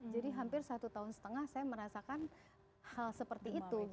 jadi hampir satu tahun setengah saya merasakan hal seperti itu